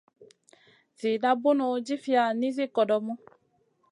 Zida bunu djivia nizi kodomu.